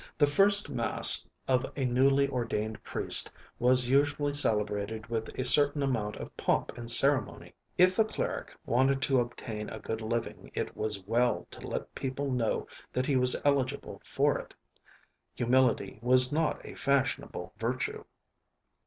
The first Mass of a newly ordained priest was usually celebrated with a certain amount of pomp and ceremony. If a cleric wanted to obtain a good living it was well to let people know that he was eligible for it; humility was not a fashionable virtue.